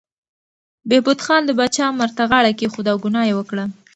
بهبود خان د پاچا امر ته غاړه کېښوده او ګناه یې وکړه.